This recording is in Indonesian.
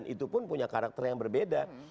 itu pun punya karakter yang berbeda